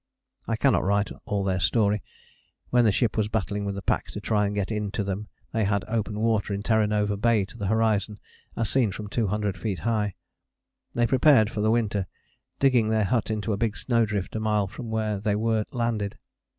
I cannot write all their story. When the ship was battling with the pack to try and get in to them they had open water in Terra Nova Bay to the horizon, as seen from 200 feet high. They prepared for the winter, digging their hut into a big snowdrift a mile from where they were landed.